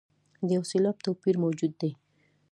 د یو سېلاب توپیر موجود دی.